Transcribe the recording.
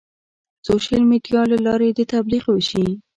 سوشیل میډیا له لارې د تبلیغ وشي.